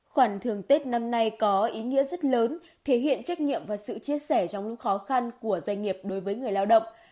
khoản thường tết năm nay có ý nghĩa rất lớn thể hiện trách nhiệm và sự chia sẻ trong những khó khăn của doanh nghiệp đối với người lao động